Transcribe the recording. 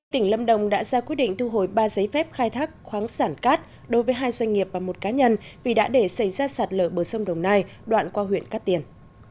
tỉnh lâm đồng đã ra quyết định thu hồi ba giấy phép khai thác khoáng sản cát đối với hai doanh nghiệp và một cá nhân vì đã để xảy ra sạt lở bờ sông đồng nai đoạn qua huyện cát tiên